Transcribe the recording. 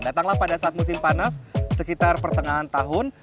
datanglah pada saat musim panas sekitar pertengahan tahun